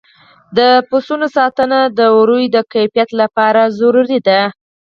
د پسونو ساتنه د وړیو د کیفیت لپاره ضروري ده.